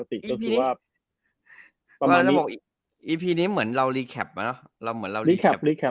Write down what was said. อีพีนี้คือว่าประมาณนี้อีพีนี้เหมือนเรานะเราเหมือนเราเรา